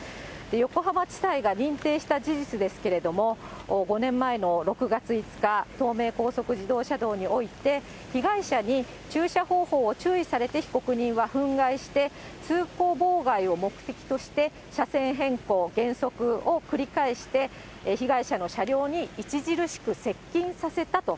横浜地裁が認定した事実ですけれども、５年前の６月５日、東名高速自動車道において、被害者に駐車方法を注意されて被告人は憤慨して、通行妨害を目的として車線変更、減速を繰り返して、被害者の車両に著しく接近させたと。